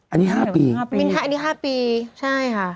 อันนี้๕ปีใช่ค่ะ